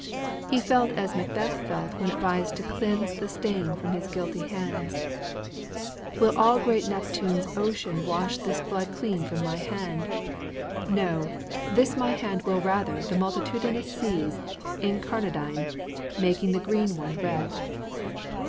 He felt as Macbeth felt when advised to cleanse the stain from his guilty hands. Will all great Neptune's ocean wash this blood Clean from my hand! No, this my hand will rather The multitudinous seas incarnadine, Making the green one red!